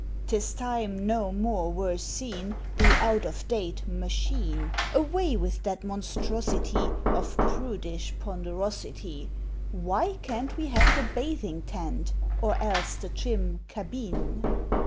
'Tis time no more were seen The out of date "machine"; Away with that monstrosity Of prudish ponderosity Why can't we have the bathing tent or else the trim _cabine?